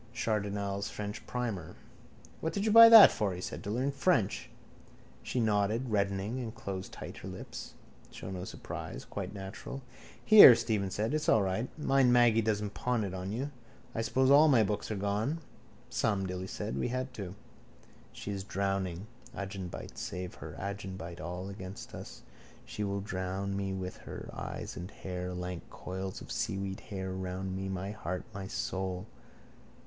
Chardenal's French primer. —What did you buy that for? he asked. To learn French? She nodded, reddening and closing tight her lips. Show no surprise. Quite natural. —Here, Stephen said. It's all right. Mind Maggy doesn't pawn it on you. I suppose all my books are gone. —Some, Dilly said. We had to. She is drowning. Agenbite. Save her. Agenbite. All against us. She will drown me with her, eyes and hair. Lank coils of seaweed hair around me, my heart, my soul.